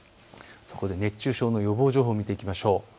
熱中症の予防情報を見ていきましょう。